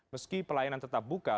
meski pelayanan tetap buka